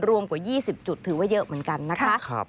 รวมกว่า๒๐จุดถือว่าเยอะเหมือนกันนะคะ